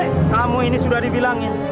eh kamu ini sudah dibilangin